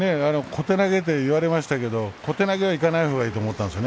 小手投げと言われましたが小手投げにはいかないほうがいいと思ったんです。